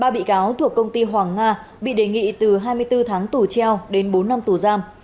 ba bị cáo thuộc công ty hoàng nga bị đề nghị từ hai mươi bốn tháng tù treo đến bốn năm tù giam